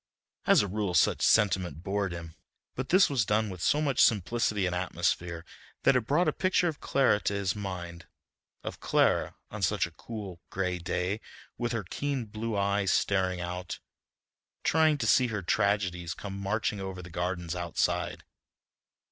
As a rule such sentiment bored him, but this was done with so much simplicity and atmosphere, that it brought a picture of Clara to his mind, of Clara on such a cool, gray day with her keen blue eyes staring out, trying to see her tragedies come marching over the gardens outside.